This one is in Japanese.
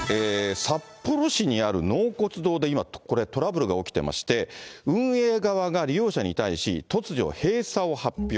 札幌市にある納骨堂で、今、これ、トラブルが起きてまして、運営側が利用者に対し、突如、閉鎖を発表。